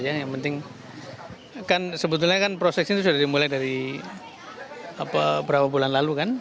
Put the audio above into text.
yang penting kan sebetulnya proses ini sudah dimulai dari beberapa bulan lalu kan